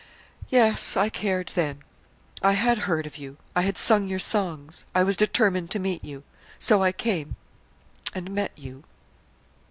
"Yes, I cared then. I had heard of you. I had sung your songs. I was determined to meet you. So I came and met you.